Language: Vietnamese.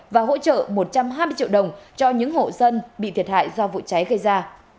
và hỗ trợ một trăm hai mươi triệu đồng cho những hộ dân bị thiệt hại do vụ cháy gây ra